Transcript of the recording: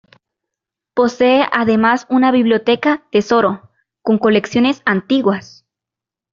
Posee además una Biblioteca Tesoro, con colecciones antiguas.